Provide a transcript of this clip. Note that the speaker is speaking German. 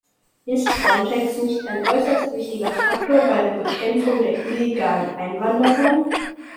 Ist Frontex nicht ein äußerst wichtiger Faktor bei der Bekämpfung der illegalen Einwanderung?